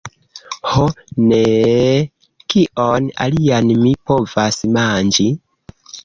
Ho, neeeee... kion alian mi povas manĝi?